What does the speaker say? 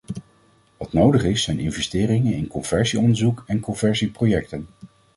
Wat nodig is, zijn investeringen in conversie-onderzoek en conversieprojecten.